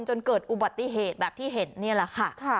จนเกิดอุบัติเหตุแบบที่เห็นนี่แหละค่ะ